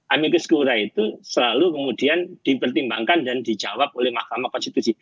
amikus kura itu selalu kemudian dipertimbangkan dan dijawab oleh mahkamah konstitusi